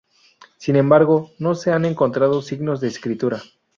Sin embargo, no se han encontrado signos de escritura.